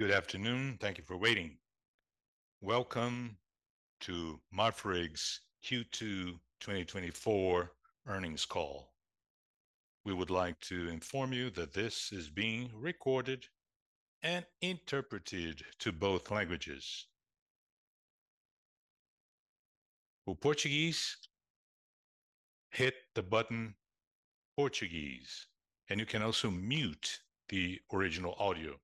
Good afternoon. Thank you for waiting. Welcome to Marfrig's Q2 2024 earnings call. We would like to inform you that this is being recorded and interpreted to both languages. For Portuguese, hit the button Portuguese, and you can also mute the original audio.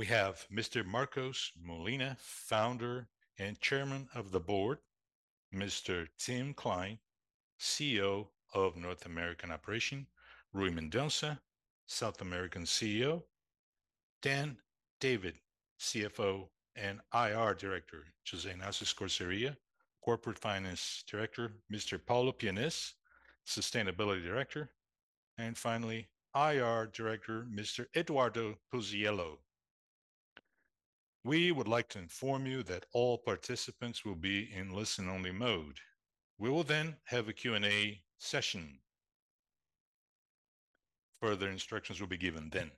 We have Mr. Marcos Molina, Founder and Chairman of the Board, Mr. Tim Klein, CEO of North American Operation, Rui Mendonça, South American CEO, Tang David, CFO and IR Director, José Ignacio Scoseria, Corporate Finance Director, Mr. Paulo Pianez, Sustainability Director, and finally, IR Director, Mr. Eduardo Puziello. We would like to inform you that all participants will be in listen-only mode. We will then have a Q&A session. Further instructions will be given then.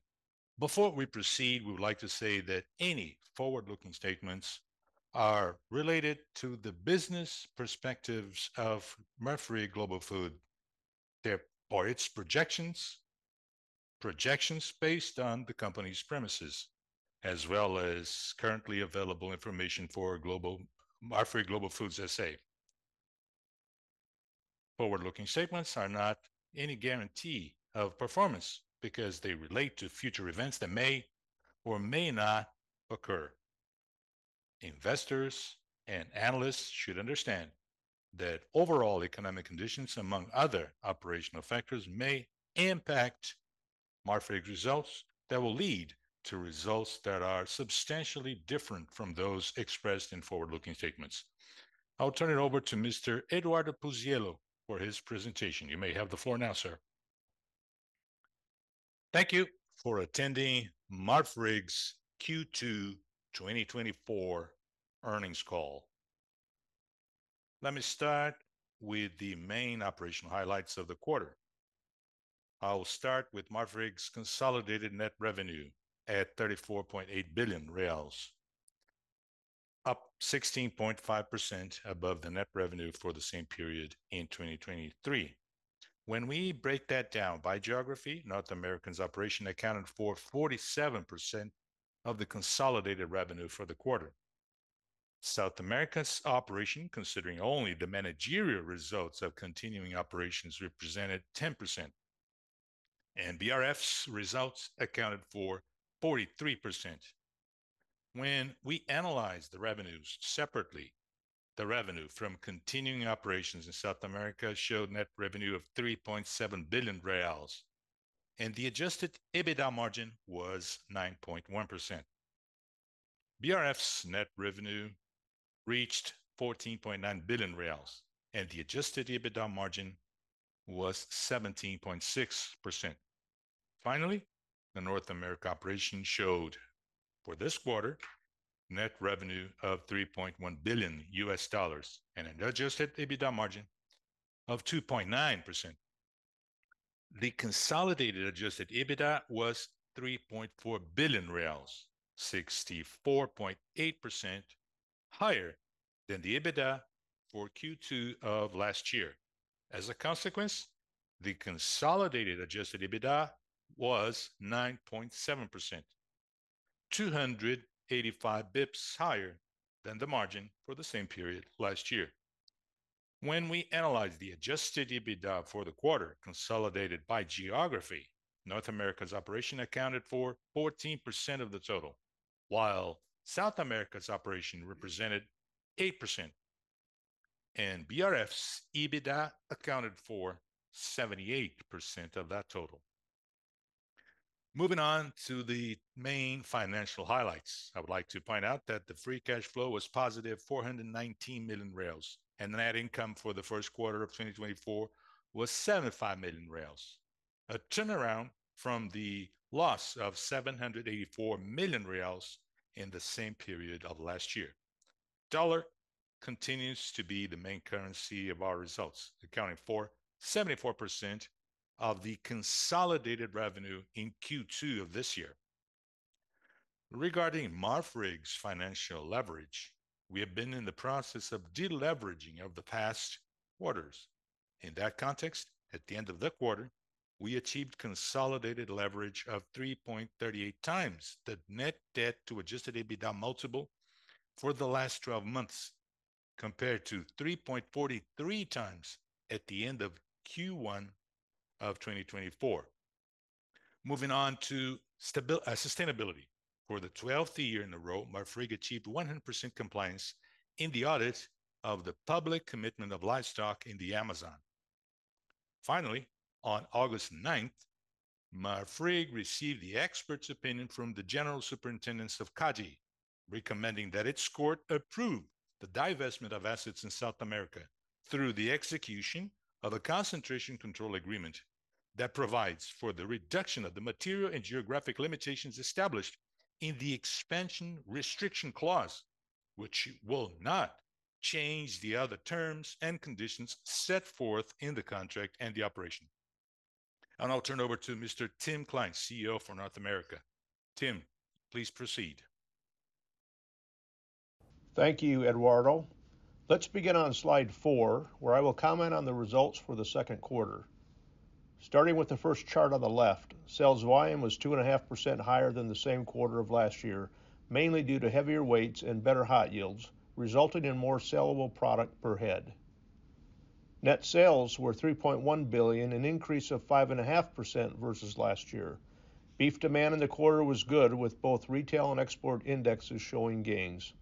Before we proceed, we would like to say that any forward-looking statements are related to the business perspectives of Marfrig Global Foods, or its projections based on the company's premises, as well as currently available information for Marfrig Global Foods S.A. Forward-looking statements are not any guarantee of performance because they relate to future events that may or may not occur. Investors and analysts should understand that overall economic conditions, among other operational factors, may impact Marfrig's results that will lead to results that are substantially different from those expressed in forward-looking statements. I'll turn it over to Mr. Eduardo Puziello for his presentation. You may have the floor now, sir. Thank you for attending Marfrig's Q2 2024 earnings call. Let me start with the main operational highlights of the quarter. I will start with Marfrig's consolidated net revenue at 34.8 billion reais, up 16.5% above the net revenue for the same period in 2023. When we break that down by geography, North American operation accounted for 47% of the consolidated revenue for the quarter. South America's operation, considering only the managerial results of continuing operations, represented 10%, and BRF's results accounted for 43%. When we analyze the revenues separately, the revenue from continuing operations in South America showed net revenue of 3.7 billion reais, and the adjusted EBITDA margin was 9.1%. BRF's net revenue reached 14.9 billion reais, and the adjusted EBITDA margin was 17.6%. Finally, the North America operation showed, for this quarter, net revenue of $3.1 billion and an adjusted EBITDA margin of 2.9%. The consolidated adjusted EBITDA was 3.4 billion reais, 64.8% higher than the EBITDA for Q2 of last year. As a consequence, the consolidated adjusted EBITDA was 9.7%, 285 basis points higher than the margin for the same period last year. When we analyze the adjusted EBITDA for the quarter, consolidated by geography, North America's operation accounted for 14% of the total, while South America's operation represented 8%, and BRF's EBITDA accounted for 78% of that total. Moving on to the main financial highlights, I would like to point out that the free cash flow was +419 million, and the net income for the first quarter of 2024 was 75 million, a turnaround from the loss of 784 million in the same period of last year. Dollar continues to be the main currency of our results, accounting for 74% of the consolidated revenue in Q2 of this year. Regarding Marfrig's financial leverage, we have been in the process of de-leveraging over the past quarters. In that context, at the end of the quarter, we achieved consolidated leverage of 3.38x the net debt to Adjusted EBITDA multiple for the last twelve months, compared to 3.43x at the end of Q1 of 2024. Moving on to sustainability. For the 12th year in a row, Marfrig achieved 100% compliance in the audit of the Public Commitment of Livestock in the Amazon. Finally, on August ninth, Marfrig received the expert's opinion from the General Superintendence of CADE, recommending that its court approve the divestment of assets in South America through the execution of a concentration control agreement that provides for the reduction of the material and geographic limitations established in the expansion restriction clause, which will not change the other terms and conditions set forth in the contract and the operation. I'll turn over to Mr. Tim Klein, CEO for North America. Tim, please proceed. Thank you, Eduardo. Let's begin on slide four, where I will comment on the results for the second quarter. Starting with the first chart on the left, sales volume was 2.5% higher than the same quarter of last year, mainly due to heavier weights and better hot yields, resulting in more sellable product per head. Net sales were $3.1 billion, an increase of 5.5% versus last year. Beef demand in the quarter was good, with both retail and export indexes showing gains.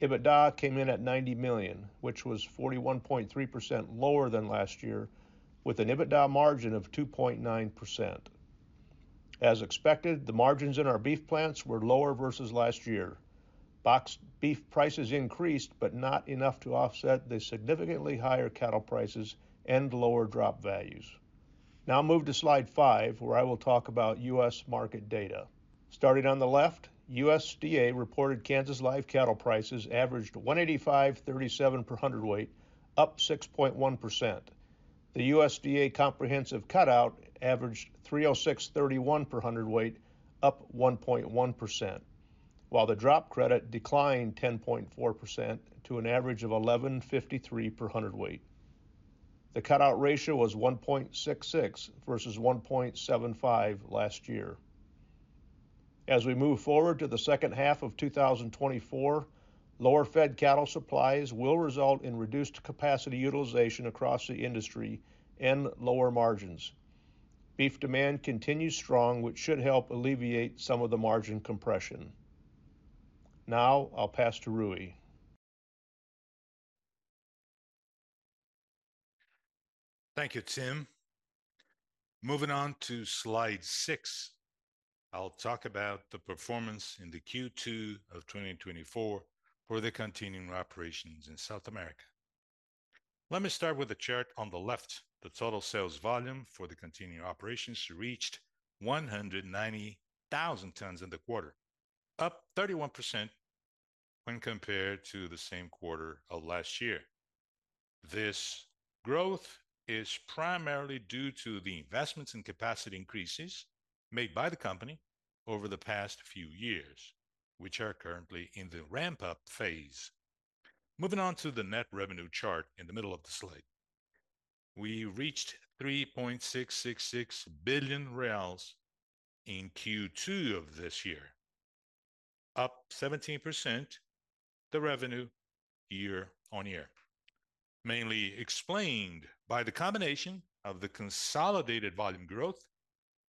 EBITDA came in at $90 million, which was 41.3% lower than last year, with an EBITDA margin of 2.9%. As expected, the margins in our beef plants were lower versus last year. Boxed beef prices increased, but not enough to offset the significantly higher cattle prices and lower drop values. Now I'll move to slide five, where I will talk about U.S. market data. Starting on the left, USDA reported Kansas live cattle prices averaged $185.37 per hundredweight, up 6.1%. The USDA comprehensive cutout averaged $306.31 per hundredweight, up 1.1%, while the drop credit declined 10.4% to an average of $11.53 per hundredweight. The cutout ratio was 1.66 versus 1.75 last year. As we move forward to the second half of 2024, lower fed cattle supplies will result in reduced capacity utilization across the industry and lower margins. Beef demand continues strong, which should help alleviate some of the margin compression. Now I'll pass to Rui. Thank you, Tim. Moving on to slide six, I'll talk about the performance in the Q2 of 2024 for the continuing operations in South America. Let me start with the chart on the left. The total sales volume for the continuing operations reached 190,000 tons in the quarter, up 31% when compared to the same quarter of last year. This growth is primarily due to the investments and capacity increases made by the company over the past few years, which are currently in the ramp-up phase. Moving on to the net revenue chart in the middle of the slide. We reached 3.666 billion reais in Q2 of this year, up 17% the revenue year-on-year. Mainly explained by the combination of the consolidated volume growth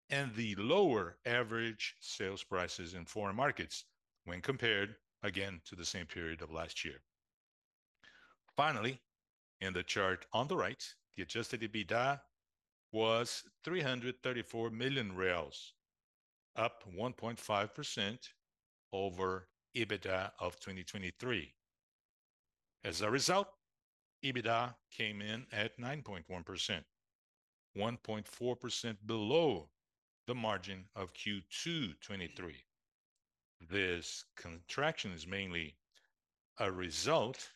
and the lower average sales prices in foreign markets when compared, again, to the same period of last year. Finally, in the chart on the right, the Adjusted EBITDA was BRL 334 million, up 1.5% over EBITDA of 2023. As a result, EBITDA came in at 9.1%, 1.4% below the margin of Q2 2023. This contraction is mainly a result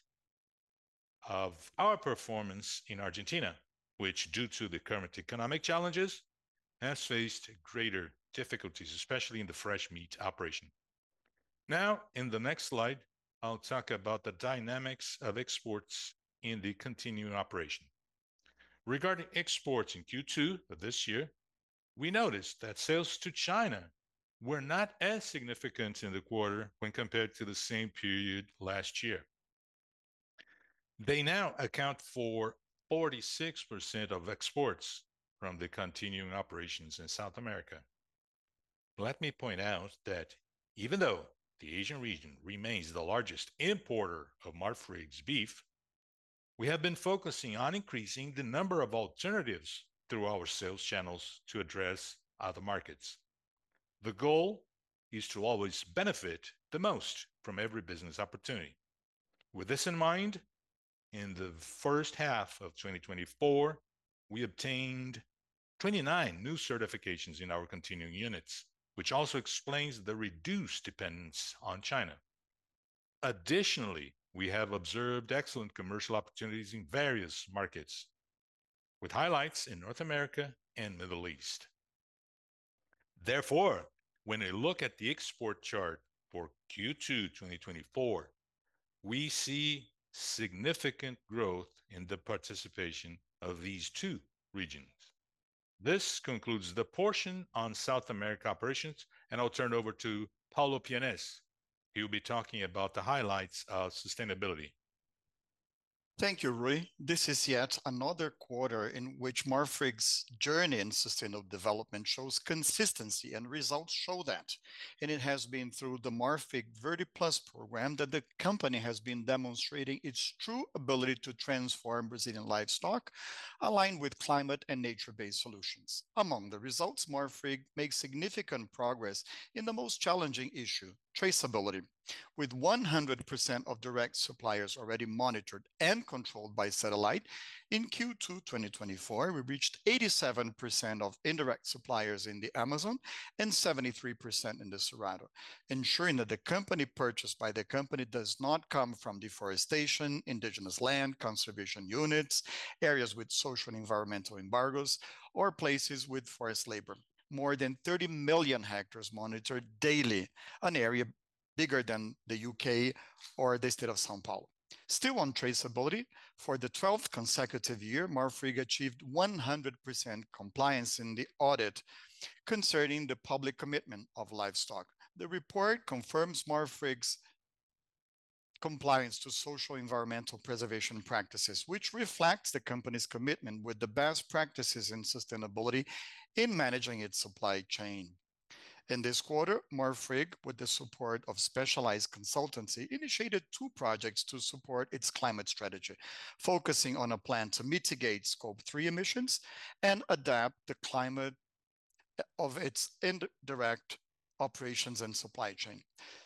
of our performance in Argentina, which, due to the current economic challenges, has faced greater difficulties, especially in the fresh meat operation. Now, in the next slide, I'll talk about the dynamics of exports in the continuing operation. Regarding exports in Q2 of this year, we noticed that sales to China were not as significant in the quarter when compared to the same period last year. They now account for 46% of exports from the continuing operations in South America. Let me point out that even though the Asian region remains the largest importer of Marfrig's beef, we have been focusing on increasing the number of alternatives through our sales channels to address other markets. The goal is to always benefit the most from every business opportunity. With this in mind, in the first half of 2024, we obtained 29 new certifications in our continuing units, which also explains the reduced dependence on China. Additionally, we have observed excellent commercial opportunities in various markets, with highlights in North America and Middle East. Therefore, when we look at the export chart for Q2 2024, we see significant growth in the participation of these two regions. This concludes the portion on South America operations, and I'll turn over to Paulo Pianez. He'll be talking about the highlights of sustainability. Thank you, Rui. This is yet another quarter in which Marfrig's journey in sustainable development shows consistency, and results show that. It has been through the Marfrig Verde+ program that the company has been demonstrating its true ability to transform Brazilian livestock, aligned with climate and nature-based solutions. Among the results, Marfrig made significant progress in the most challenging issue, traceability, with 100% of direct suppliers already monitored and controlled by satellite. In Q2 2024, we reached 87% of indirect suppliers in the Amazon and 73% in the Cerrado, ensuring that the company purchased by the company does not come from deforestation, indigenous land, conservation units, areas with social and environmental embargoes, or places with forced labor. More than 30 million hectares monitored daily, an area bigger than the U.K. or the state of São Paulo. Still on traceability, for the 12th consecutive year, Marfrig achieved 100% compliance in the audit concerning the Public Commitment of Livestock. The report confirms Marfrig's compliance to social-environmental preservation practices, which reflects the company's commitment with the best practices in sustainability in managing its supply chain. In this quarter, Marfrig, with the support of specialized consultancy, initiated two projects to support its climate strategy, focusing on a plan to mitigate Scope 3 emissions and adapt the climate of its indirect operations and supply chain.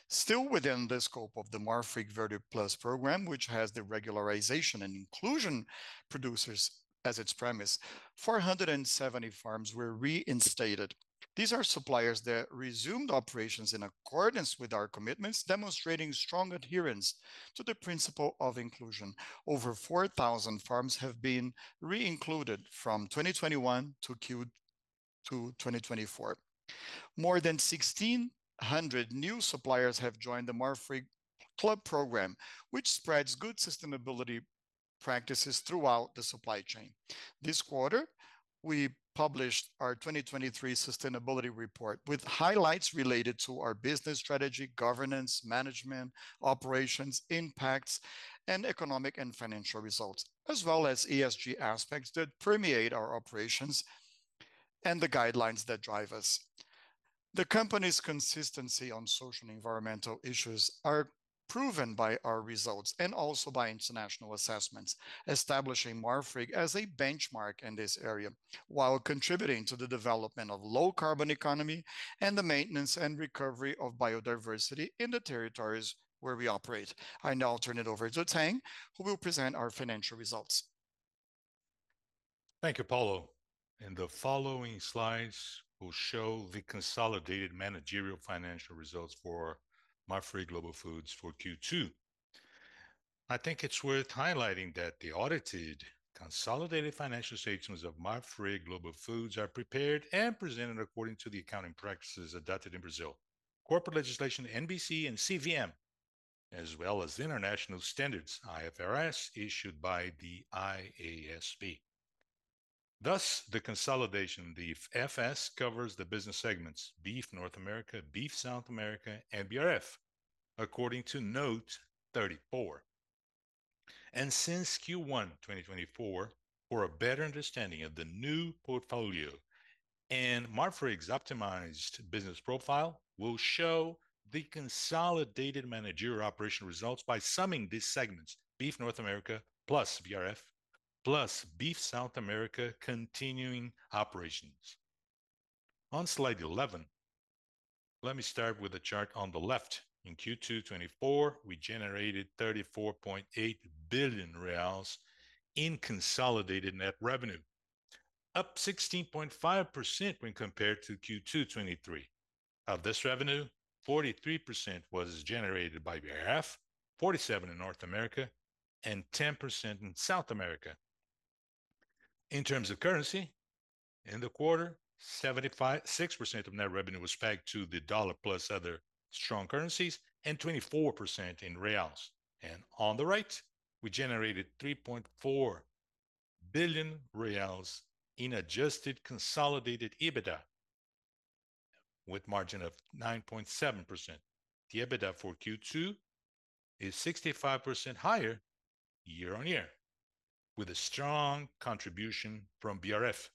Still within the scope of the Marfrig Verde+ program, which has the regularization and inclusion producers as its premise, 470 farms were reinstated. These are suppliers that resumed operations in accordance with our commitments, demonstrating strong adherence to the principle of inclusion. Over 4,000 farms have been re-included from 2021 to Q2, 2024. More than 1,600 new suppliers have joined the Marfrig Club program, which spreads good sustainability practices throughout the supply chain. This quarter, we published our 2023 sustainability report, with highlights related to our business strategy, governance, management, operations, impacts, and economic and financial results, as well as ESG aspects that permeate our operations and the guidelines that drive us. The company's consistency on social and environmental issues are proven by our results and also by international assessments, establishing Marfrig as a benchmark in this area, while contributing to the development of low-carbon economy and the maintenance and recovery of biodiversity in the territories where we operate. I now turn it over to Tang, who will present our financial results. Thank you, Paulo. In the following slides, we'll show the consolidated managerial financial results for Marfrig Global Foods for Q2. I think it's worth highlighting that the audited consolidated financial statements of Marfrig Global Foods are prepared and presented according to the accounting practices adopted in Brazil: corporate legislation, NBC, and CVM, as well as international standards, IFRS, issued by the IASB. Thus, the consolidation of the FS covers the business segments Beef North America, Beef South America, and BRF, according to Note 34. And since Q1 2024, for a better understanding of the new portfolio and Marfrig's optimized business profile, we'll show the consolidated managerial operational results by summing these segments: Beef North America, plus BRF, plus Beef South America continuing operations. On slide 11, let me start with the chart on the left. In Q2 2024, we generated 34.8 billion reais in consolidated net revenue, up 16.5% when compared to Q2 2023. Of this revenue, 43% was generated by BRF, 47% in North America, and 10% in South America. In terms of currency, in the quarter, 76% of net revenue was pegged to the dollar plus other strong currencies, and 24% in reals. On the right, we generated 3.4 billion reais in adjusted consolidated EBITDA, with margin of 9.7%. The EBITDA for Q2 is 65% higher year-on-year, with a strong contribution from BRF,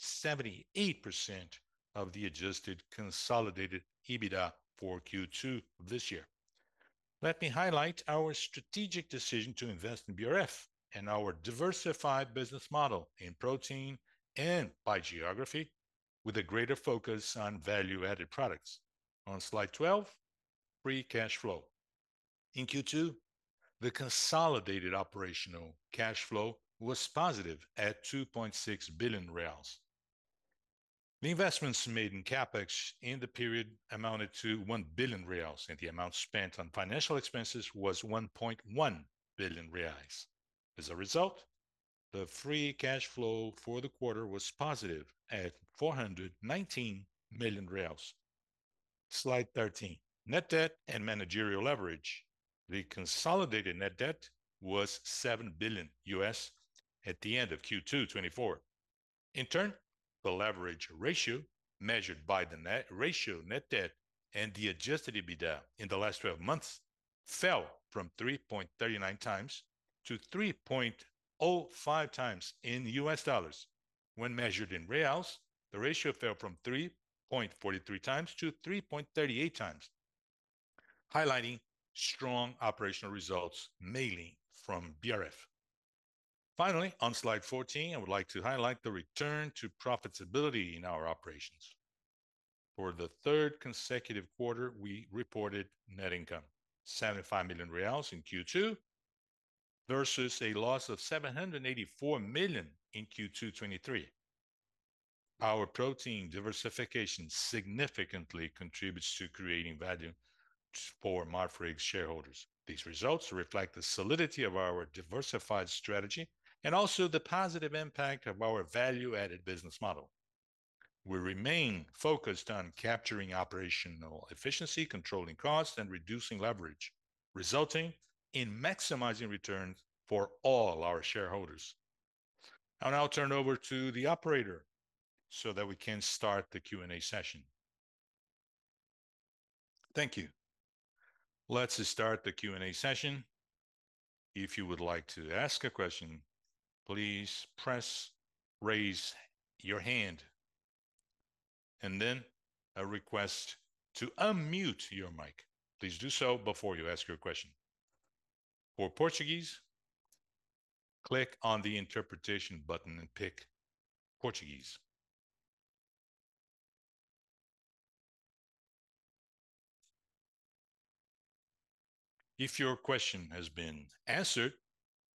78% of the adjusted consolidated EBITDA for Q2 of this year. Let me highlight our strategic decision to invest in BRF and our diversified business model in protein and by geography, with a greater focus on value-added products. On slide 12, free cash flow. In Q2, the consolidated operational cash flow was positive at 2.6 billion reais. The investments made in CapEx in the period amounted to 1 billion reais, and the amount spent on financial expenses was 1.1 billion reais. As a result, the free cash flow for the quarter was positive at 419 million reais. Slide 13, net debt and managerial leverage. The consolidated net debt was $7 billion at the end of Q2, 2024. In turn, the leverage ratio, measured by the net ratio net debt and the adjusted EBITDA in the last twelve months, fell from 3.39x to 3.05x in U.S. dollars. When measured in reals, the ratio fell from 3.43x to 3.38x, highlighting strong operational results, mainly from BRF. Finally, on slide 14, I would like to highlight the return to profitability in our operations. For the third consecutive quarter, we reported net income, 75 million reais in Q2, versus a loss of 784 million in Q2 2023. Our protein diversification significantly contributes to creating value to for Marfrig's shareholders. These results reflect the solidity of our diversified strategy, and also the positive impact of our value-added business model. We remain focused on capturing operational efficiency, controlling costs, and reducing leverage, resulting in maximizing returns for all our shareholders. I'll now turn over to the operator so that we can start the Q&A session. Thank you. Let's start the Q&A session. If you would like to ask a question, please press Raise Your Hand, and then a request to unmute your mic. Please do so before you ask your question. For Portuguese, click on the Interpretation button and pick Portuguese. If your question has been answered,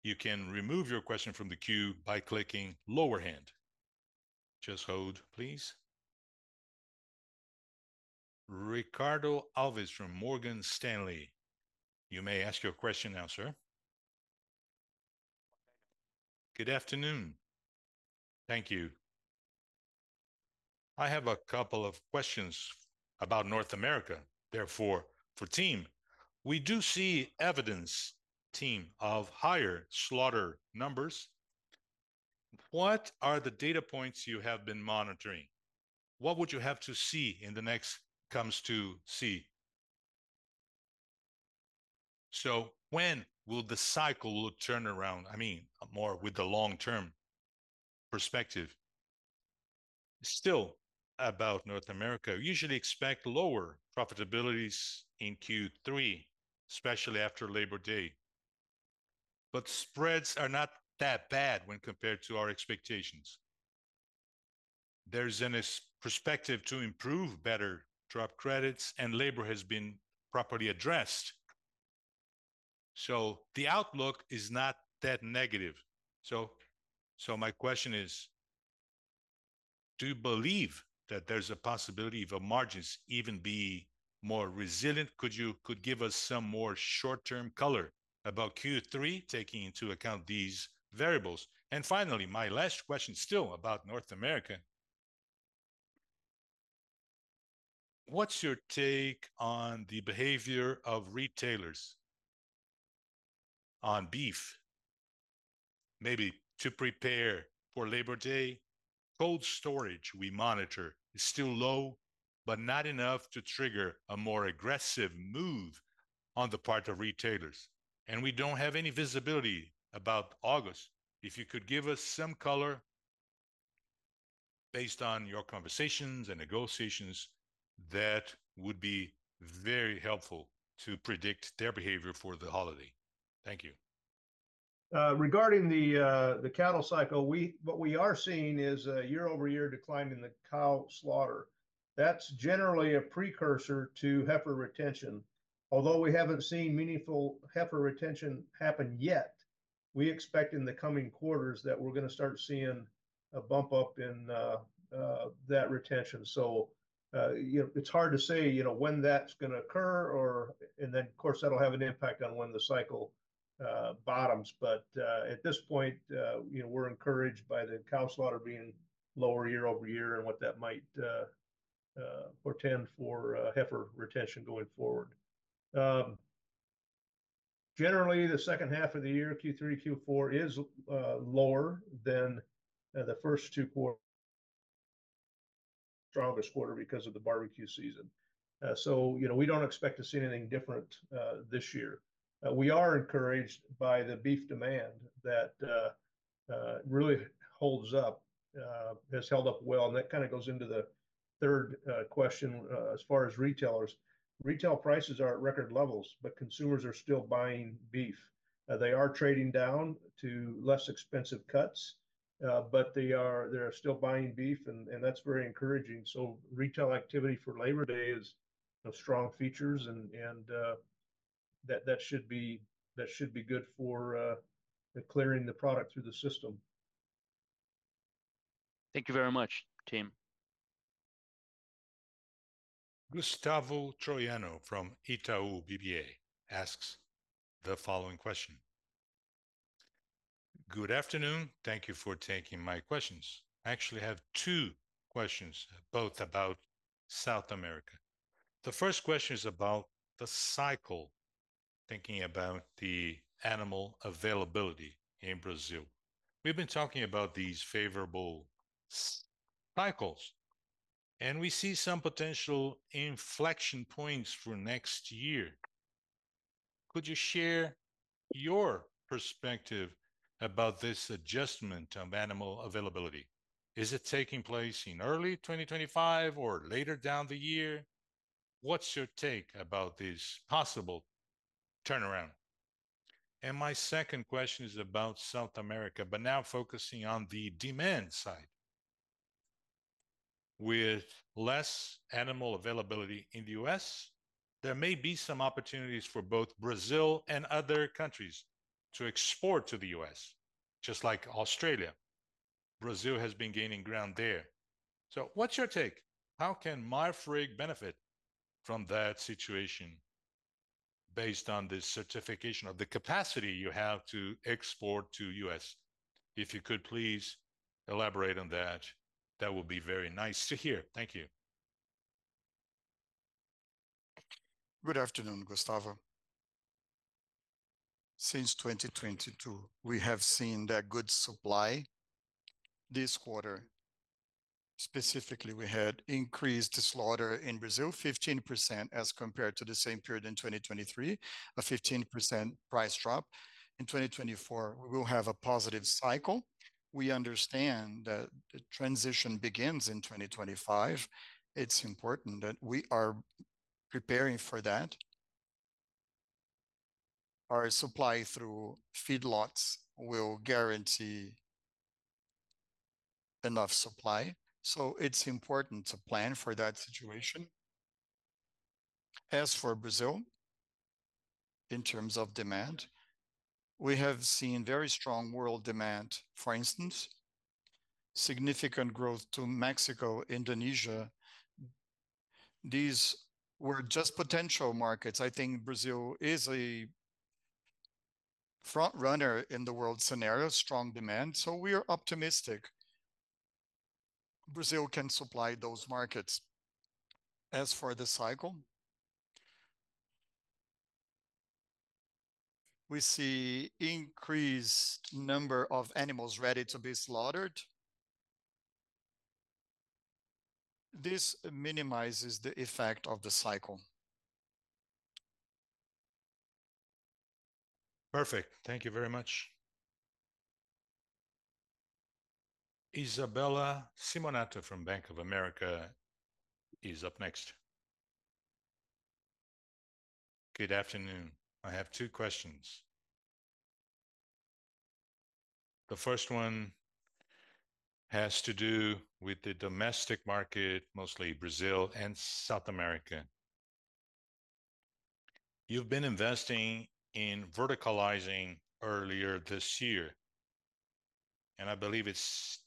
you can remove your question from the queue by clicking Lower Hand. Just hold, please. Ricardo Alves from Morgan Stanley, you may ask your question now, sir. Good afternoon. Thank you. I have a couple of questions about North America. Therefore, for Tim, we do see evidence, Tim, of higher slaughter numbers. What are the data points you have been monitoring? What would you have to see in the next comes to see? So when will the cycle will turn around? I mean, more with the long-term perspective. Still about North America, we usually expect lower profitabilities in Q3, especially after Labor Day. But spreads are not that bad when compared to our expectations. There's a perspective to improve better drop credits, and labor has been properly addressed, so the outlook is not that negative. So my question is: do you believe that there's a possibility of our margins even be more resilient? Could you give us some more short-term color about Q3, taking into account these variables? And finally, my last question, still about North America: what's your take on the behavior of retailers on beef, maybe to prepare for Labor Day? Cold storage we monitor is still low, but not enough to trigger a more aggressive move on the part of retailers, and we don't have any visibility about August. If you could give us some color based on your conversations and negotiations, that would be very helpful to predict their behavior for the holiday. Thank you. Regarding the cattle cycle, what we are seeing is a year-over-year decline in the cow slaughter. That's generally a precursor to heifer retention. Although we haven't seen meaningful heifer retention happen yet, we expect in the coming quarters that we're gonna start seeing a bump up in that retention. So, you know, it's hard to say, you know, when that's gonna occur, or. And then, of course, that'll have an impact on when the cycle bottoms. But, at this point, you know, we're encouraged by the cow slaughter being lower year-over-year, and what that might portend for heifer retention going forward. Generally, the second half of the year, Q3, Q4, is lower than the first two quarters, the strongest quarters because of the barbecue season. So, you know, we don't expect to see anything different this year. We are encouraged by the beef demand that really holds up, has held up well, and that kind of goes into the third question as far as retailers. Retail prices are at record levels, but consumers are still buying beef. They are trading down to less expensive cuts, but they are still buying beef, and that's very encouraging. So retail activity for Labor Day is of strong features, and that should be good for the clearing the product through the system. Thank you very much, Tim. Gustavo Troiano from Itaú BBA asks the following question. Good afternoon. Thank you for taking my questions. I actually have two questions, both about South America. The first question is about the cycle, thinking about the animal availability in Brazil. We've been talking about these favorable cycles, and we see some potential inflection points for next year. Could you share your perspective about this adjustment of animal availability? Is it taking place in early 2025 or later down the year? What's your take about this possible turnaround? And my second question is about South America, but now focusing on the demand side. With less animal availability in the U.S., there may be some opportunities for both Brazil and other countries to export to the U.S., just like Australia. Brazil has been gaining ground there. So what's your take? How can Marfrig benefit from that situation based on the certification of the capacity you have to export to U.S.? If you could please elaborate on that, that would be very nice to hear. Thank you. Good afternoon, Gustavo. Since 2022, we have seen that good supply. This quarter, specifically, we had increased slaughter in Brazil, 15% as compared to the same period in 2023, a 15% price drop. In 2024, we will have a positive cycle. We understand that the transition begins in 2025. It's important that we are preparing for that. Our supply through feedlots will guarantee enough supply, so it's important to plan for that situation. As for Brazil, in terms of demand, we have seen very strong world demand. For instance, significant growth to Mexico, Indonesia. These were just potential markets. I think Brazil is a frontrunner in the world scenario, strong demand, so we are optimistic Brazil can supply those markets. As for the cycle, we see increased number of animals ready to be slaughtered. This minimizes the effect of the cycle. Perfect. Thank you very much. Isabella Simonato from Bank of America is up next. Good afternoon. I have two questions. The first one has to do with the domestic market, mostly Brazil and South America. You've been investing in verticalizing earlier this year, and I believe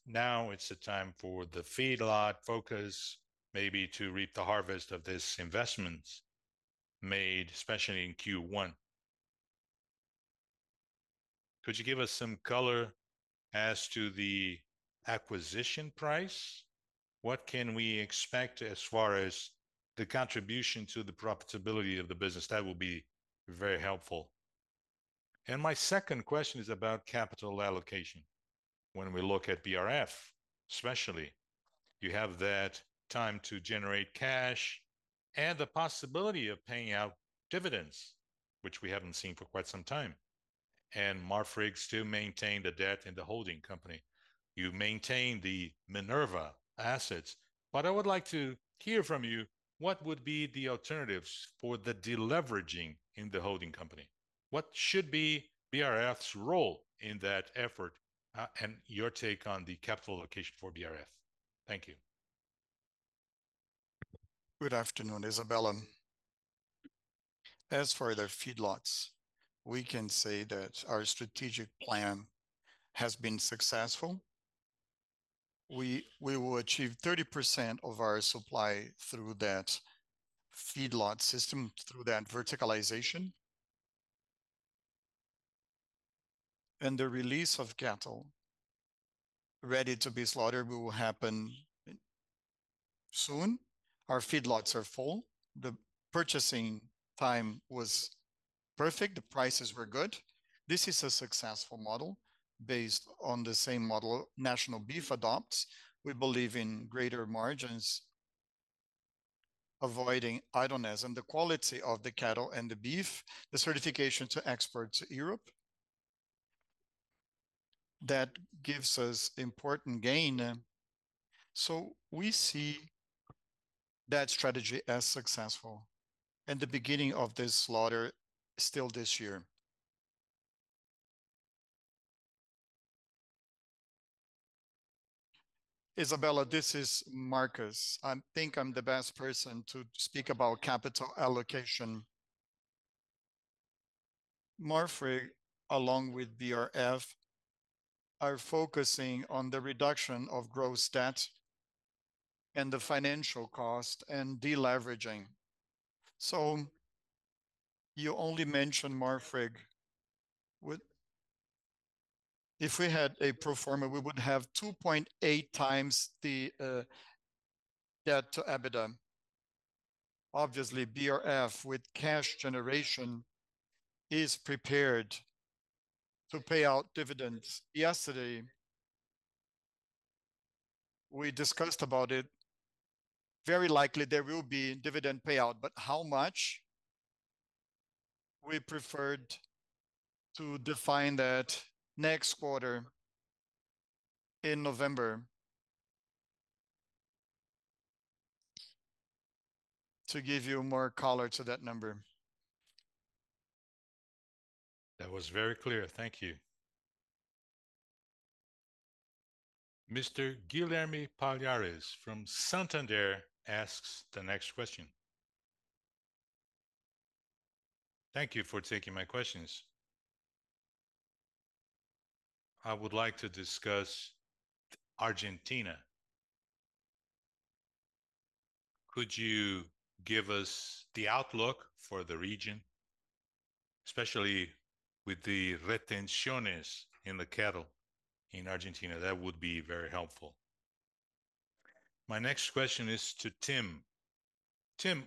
now it's the time for the feedlot focus, maybe to reap the harvest of these investments made, especially in Q1. Could you give us some color as to the acquisition price? What can we expect as far as the contribution to the profitability of the business? That would be very helpful. And my second question is about capital allocation. When we look at BRF, especially, you have that time to generate cash and the possibility of paying out dividends, which we haven't seen for quite some time, and Marfrig still maintain the debt in the holding company. You maintain the Minerva assets, but I would like to hear from you, what would be the alternatives for the de-leveraging in the holding company? What should be BRF's role in that effort, and your take on the capital allocation for BRF? Thank you. Good afternoon, Isabella. As for the feedlots, we can say that our strategic plan has been successful. We will achieve 30% of our supply through that feedlot system, through that verticalization. The release of cattle ready to be slaughtered will happen soon. Our feedlots are full. The purchasing time was perfect. The prices were good. This is a successful model based on the same model National Beef adopts. We believe in greater margins, avoiding idleness, and the quality of the cattle and the beef, the certification to export to Europe, that gives us important gain. So we see that strategy as successful, and the beginning of this slaughter is still this year. Isabella, this is Marcos. I think I'm the best person to speak about capital allocation. Marfrig, along with BRF, are focusing on the reduction of gross debt and the financial cost and de-leveraging. So you only mentioned Marfrig. With if we had a pro forma, we would have 2.8 times the debt to EBITDA. Obviously, BRF, with cash generation, is prepared to pay out dividends. Yesterday, we discussed about it. Very likely there will be a dividend payout, but how much? We preferred to define that next quarter in November to give you more color to that number. That was very clear. Thank you. Mr. Guilherme Palhares from Santander asks the next question. Thank you for taking my questions. I would like to discuss Argentina. Could you give us the outlook for the region, especially with the retenciones in the cattle in Argentina? That would be very helpful. My next question is to Tim. Tim,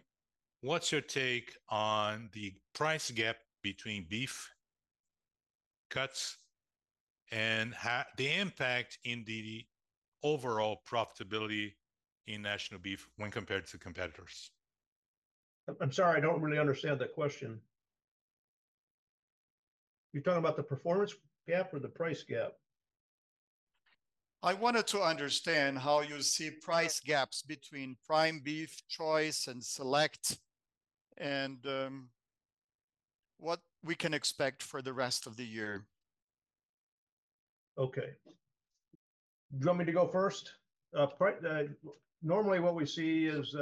what's your take on the price gap between beef cuts and how the impact in the overall profitability in National Beef when compared to competitors? I'm sorry, I don't really understand that question. You're talking about the performance gap or the price gap? I wanted to understand how you see price gaps between Prime beef, Choice, and Select, and what we can expect for the rest of the year. Okay. Do you want me to go first? Normally, what we see is...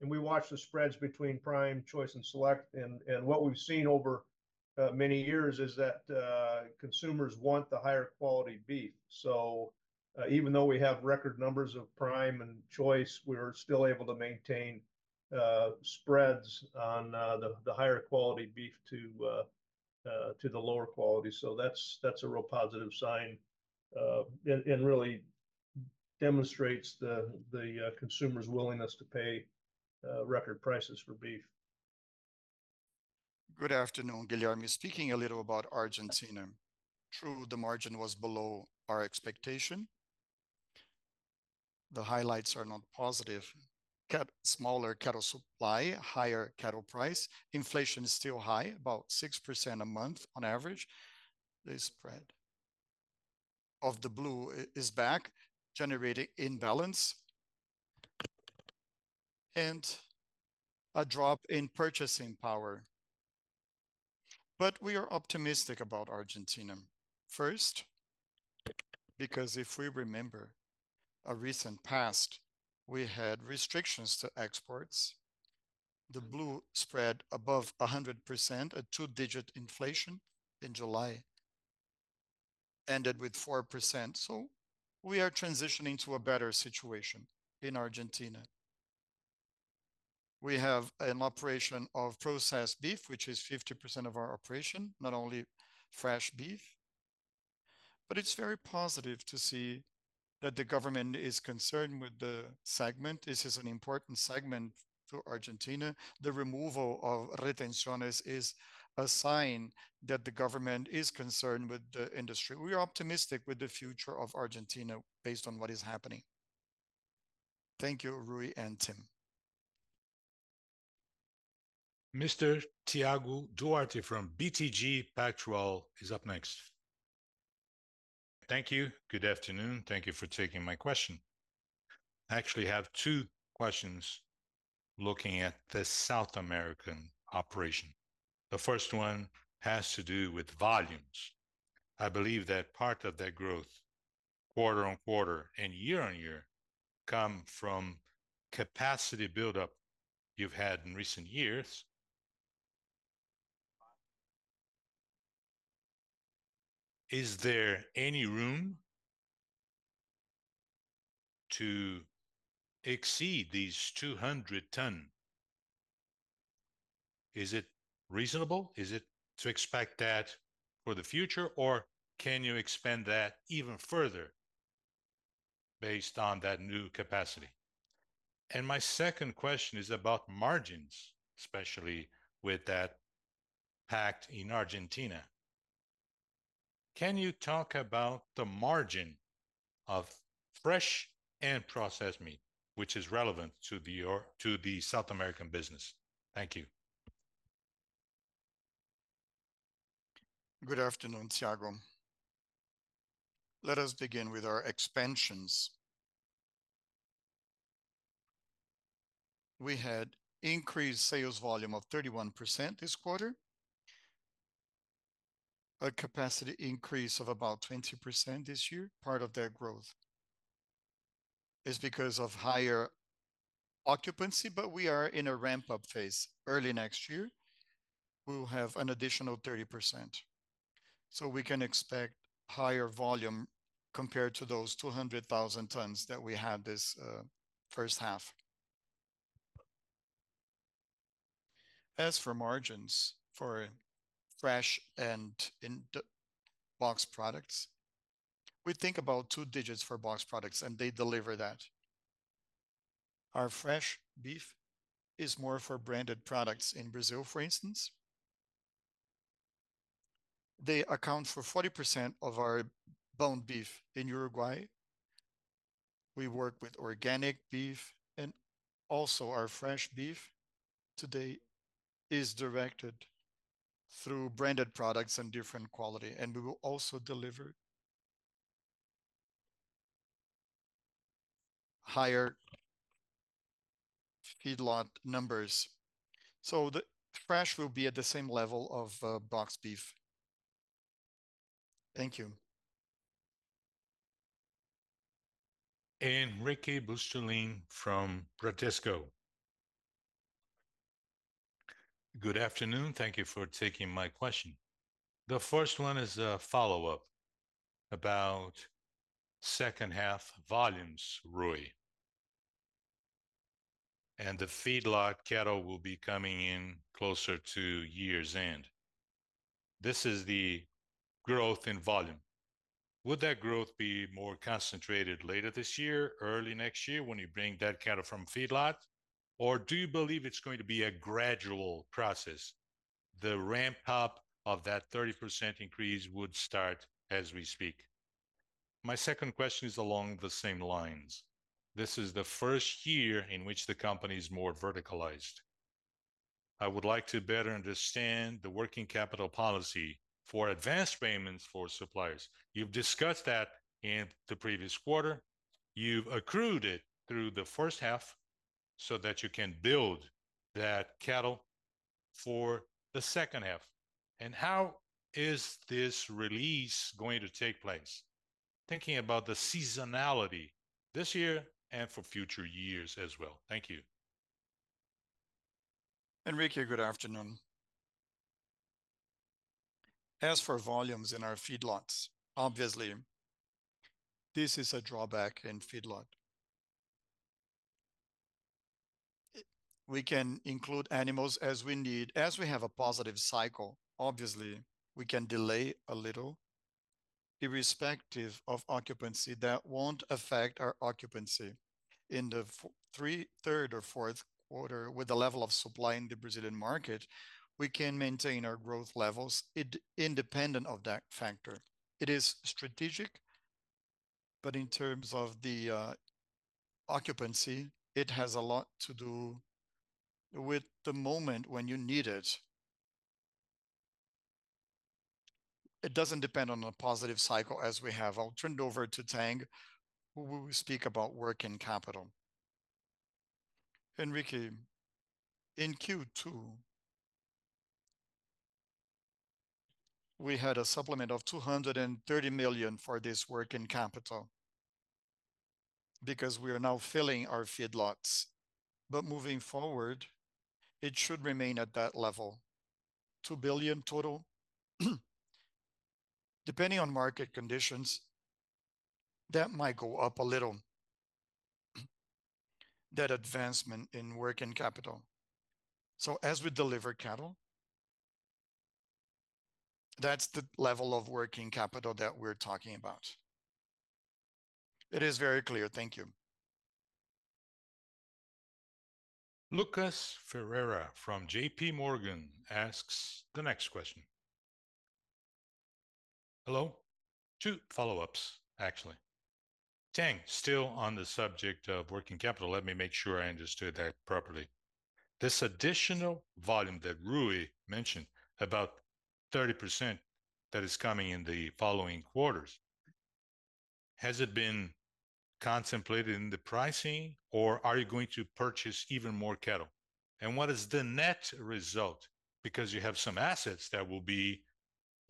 And we watch the spreads between Prime, Choice, and Select, and what we've seen over many years is that consumers want the higher quality beef. So, even though we have record numbers of Prime and Choice, we're still able to maintain spreads on the higher quality beef to the lower quality. So that's a real positive sign, and really demonstrates the consumers' willingness to pay record prices for beef. Good afternoon, Guilherme. Speaking a little about Argentina, true, the margin was below our expectation. The highlights are not positive. Smaller cattle supply, higher cattle price, inflation is still high, about 6% a month on average. The blue spread is back, generating imbalance and a drop in purchasing power. But we are optimistic about Argentina. First, because if we remember a recent past, we had restrictions to exports. The blue spread above 100%, a two-digit inflation in July, ended with 4%. So we are transitioning to a better situation in Argentina. We have an operation of processed beef, which is 50% of our operation, not only fresh beef, but it's very positive to see that the government is concerned with the segment. This is an important segment to Argentina. The removal of retenciones is a sign that the government is concerned with the industry. We are optimistic with the future of Argentina based on what is happening. Thank you, Rui and Tim. Mr. Thiago Duarte from BTG Pactual is up next. Thank you. Good afternoon. Thank you for taking my question. I actually have two questions looking at the South American operation. The first one has to do with volumes. I believe that part of that growth, quarter-on-quarter and year-on-year, come from capacity buildup you've had in recent years. Is there any room to exceed these 200 tons? Is it reasonable? Is it to expect that for the future, or can you expand that even further based on that new capacity? And my second question is about margins, especially with that pact in Argentina. Can you talk about the margin of fresh and processed meat, which is relevant to the or to the South American business? Thank you. Good afternoon, Thiago. Let us begin with our expansions. We had increased sales volume of 31% this quarter, a capacity increase of about 20% this year. Part of that growth is because of higher occupancy, but we are in a ramp-up phase. Early next year, we'll have an additional 30%, so we can expect higher volume compared to those 200,000 tons that we had this first half. As for margins for fresh and in the boxed products, we think about two digits for boxed products, and they deliver that. Our fresh beef is more for branded products in Brazil, for instance.... they account for 40% of our bone beef in Uruguay. We work with organic beef, and also our fresh beef today is directed through branded products and different quality, and we will also deliver higher feedlot numbers. The fresh will be at the same level of boxed beef. Thank you. Henrique Brustolin from Bradesco. Good afternoon. Thank you for taking my question. The first one is a follow-up about second half volumes, Rui, and the feedlot cattle will be coming in closer to year's end. This is the growth in volume. Would that growth be more concentrated later this year, early next year, when you bring that cattle from feedlots? Or do you believe it's going to be a gradual process, the ramp-up of that 30% increase would start as we speak? My second question is along the same lines. This is the first year in which the company is more verticalized. I would like to better understand the working capital policy for advanced payments for suppliers. You've discussed that in the previous quarter. You've accrued it through the first half, so that you can build that cattle for the second half. How is this release going to take place, thinking about the seasonality this year and for future years as well? Thank you. Henrique, good afternoon. As for volumes in our feedlots, obviously, this is a drawback in feedlot. We can include animals as we need. As we have a positive cycle, obviously, we can delay a little irrespective of occupancy, that won't affect our occupancy. In the third or fourth quarter, with the level of supply in the Brazilian market, we can maintain our growth levels, independent of that factor. It is strategic, but in terms of the occupancy, it has a lot to do with the moment when you need it. It doesn't depend on a positive cycle as we have. I'll turn it over to Tang, who will speak about working capital. Henrique, in Q2, we had a supplement of 230 million for this working capital, because we are now filling our feedlots. Moving forward, it should remain at that level, 2 billion total. Depending on market conditions, that might go up a little, that advancement in working capital. So as we deliver cattle, that's the level of working capital that we're talking about. It is very clear. Thank you. Lucas Ferreira from JPMorgan asks the next question. Hello. Two follow-ups, actually. Tang, still on the subject of working capital, let me make sure I understood that properly. This additional volume that Rui mentioned, about 30% that is coming in the following quarters, has it been contemplated in the pricing, or are you going to purchase even more cattle? And what is the net result? Because you have some assets that will be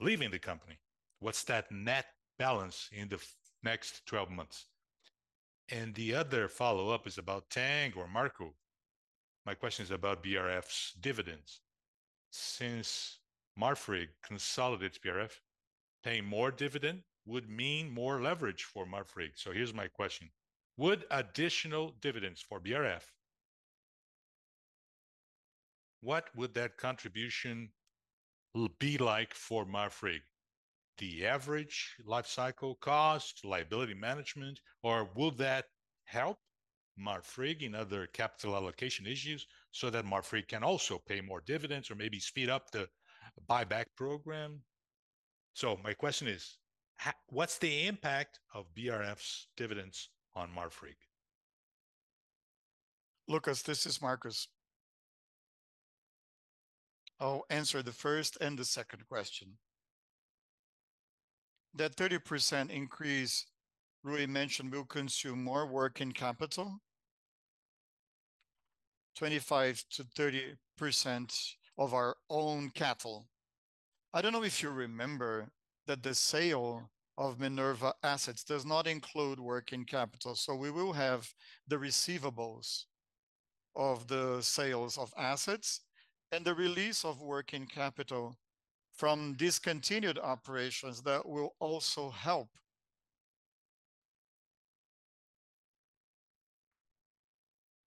leaving the company. What's that net balance in the next twelve months? And the other follow-up is about Tang or Marcos. My question is about BRF's dividends. Since Marfrig consolidated BRF, paying more dividend would mean more leverage for Marfrig. So here's my question: would additional dividends for BRF, what would that contribution be like for Marfrig? The average life cycle cost, liability management, or will that help Marfrig in other capital allocation issues so that Marfrig can also pay more dividends or maybe speed up the buyback program? So my question is: what's the impact of BRF's dividends on Marfrig? Lucas, this is Marcos. I'll answer the first and the second question. That 30% increase Rui mentioned will consume more working capital, 25%-30% of our own cattle. I don't know if you remember that the sale of Minerva assets does not include working capital, so we will have the receivables of the sales of assets and the release of working capital from discontinued operations that will also help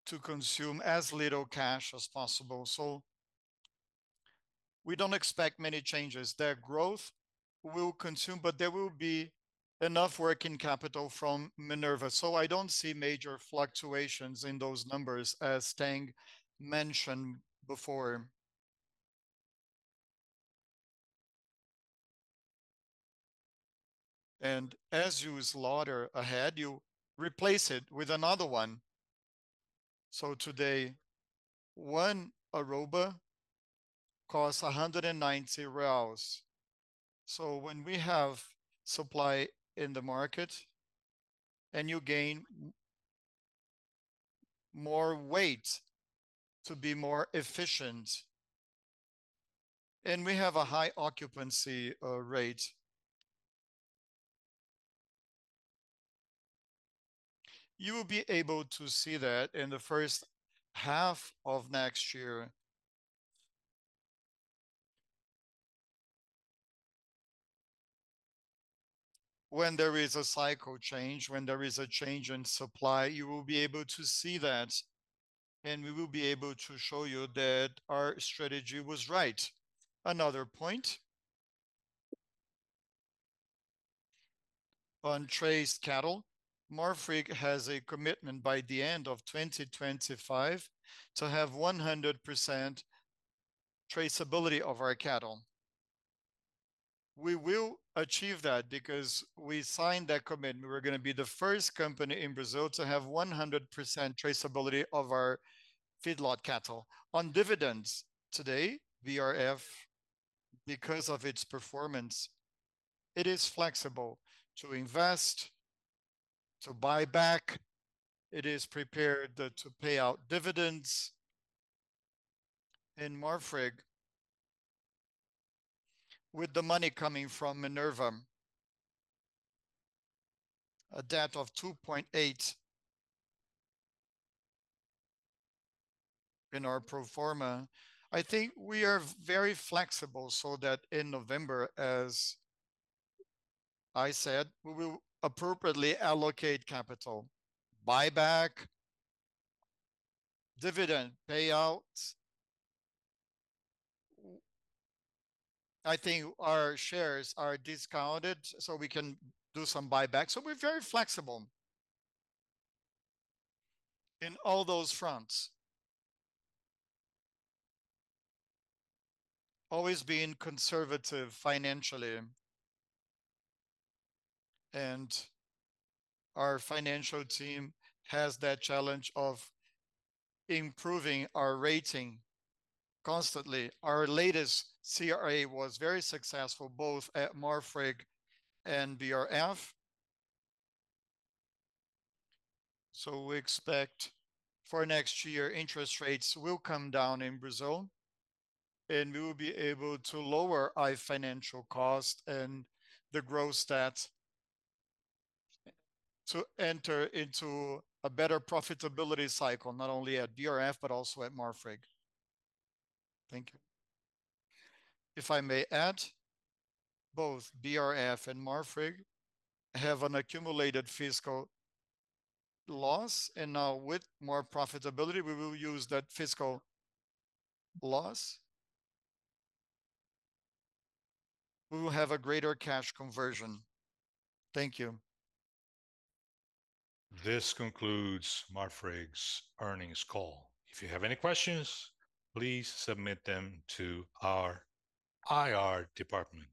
to consume as little cash as possible. So we don't expect many changes. Their growth will consume, but there will be enough working capital from Minerva, so I don't see major fluctuations in those numbers, as Tang mentioned before. And as you slaughter a head, you replace it with another one. So today, one arroba costs 190 reais. So when we have supply in the market, and you gain more weight to be more efficient, and we have a high occupancy rate, you will be able to see that in the first half of next year. When there is a cycle change, when there is a change in supply, you will be able to see that, and we will be able to show you that our strategy was right. Another point, on traced cattle, Marfrig has a commitment by the end of 2025 to have 100% traceability of our cattle. We will achieve that because we signed that commitment. We're gonna be the first company in Brazil to have 100% traceability of our feedlot cattle. On dividends, today, BRF, because of its performance, it is flexible to invest, to buy back. It is prepared to pay out dividends. In Marfrig, with the money coming from Minerva, a debt of 2.8 in our pro forma, I think we are very flexible, so that in November, as I said, we will appropriately allocate capital, buyback, dividend payouts. I think our shares are discounted, so we can do some buybacks. So we're very flexible in all those fronts. Always being conservative financially, and our financial team has that challenge of improving our rating constantly. Our latest CRA was very successful, both at Marfrig and BRF. So we expect for next year, interest rates will come down in Brazil, and we will be able to lower our financial cost and the gross debt to enter into a better profitability cycle, not only at BRF, but also at Marfrig. Thank you. If I may add, both BRF and Marfrig have an accumulated fiscal loss, and now with more profitability, we will use that fiscal loss. We will have a greater cash conversion. Thank you. This concludes Marfrig's earnings call. If you have any questions, please submit them to our IR department.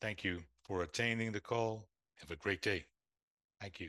Thank you for attending the call. Have a great day. Thank you.